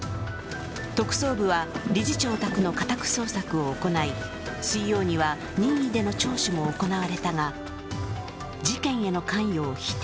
特捜部は理事長宅の家宅捜索を行い水曜には任意での聴取も行われたが事件への関与を否定。